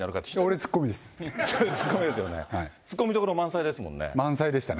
ツッコミどころ、満載でしたね。